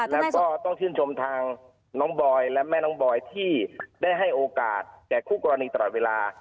แล้วก็ต้องชื่นชมทางน้องบอยและแม่น้องบอยที่ได้ให้โอกาสแก่คู่กรณีตลอดเวลา